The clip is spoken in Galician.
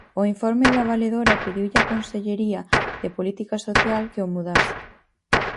O informe da Valedora pediulle á Consellería de Política Social que o mudase.